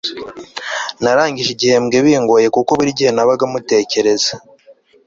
Narangije igihembwe bingoye kuko burigihe nabaga mutekereza